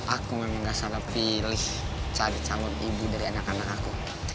aku memang gak salah pilih cari calon ibu dari anak anak aku